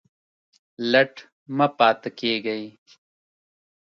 لټ مه پاته کیږئ